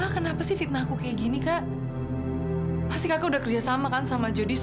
kita pergi dari sini